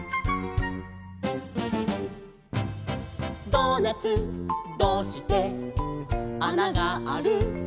「ドーナツどうしてあながある？」